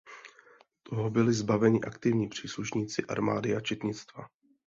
Toho byli zbaveni aktivní příslušníci armády a četnictva.